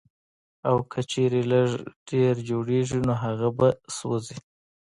او کۀ چرې لږ ډېر جوړيږي نو هغه به سېزئ